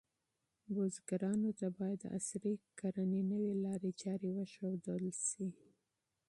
بزګرانو ته باید د عصري کرنې نوې لارې چارې وښودل شي.